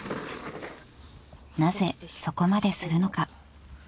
［なぜそこまでするのか？］